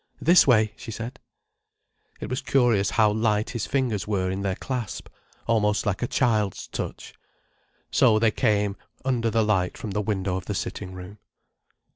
"This way," she said. It was curious how light his fingers were in their clasp—almost like a child's touch. So they came under the light from the window of the sitting room.